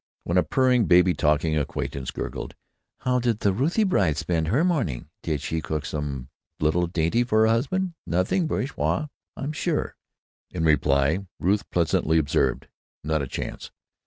When a purring, baby talking acquaintance gurgled: "How did the Ruthie bride spend her morning? Did she cook some little dainty for her husband? Nothing bourgeois, I'm sure!" in reply Ruth pleasantly observed: "Not a chance.